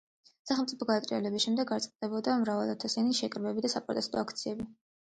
სახელმწიფო გადატრიალების შემდეგ არ წყდებოდა მრავალათასიანი შეკრებები და საპროტესტო აქციები.